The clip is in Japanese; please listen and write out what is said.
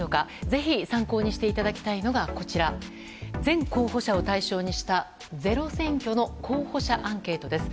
ぜひ参考にしていただきたいのが全候補者を対象にした「ｚｅｒｏ選挙」の候補者アンケートです。